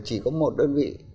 chỉ có một đơn vị